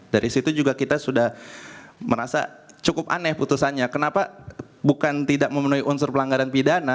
dari situ juga kita sudah merasa cukup aneh putusannya kenapa bukan tidak memenuhi unsur pelanggaran pidana